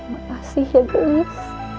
makasih ya gelis